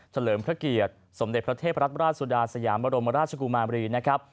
เลิมพระเกียรติสมเด็จพระเทพรัฐราชสุดาสยามบรมราชกุมารีนะครับ